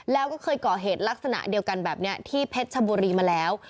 แล้วก็เคยก่อเหตุลักษณะเดียวกันแบบนี้ที่เพชรชบุรีมาแล้ว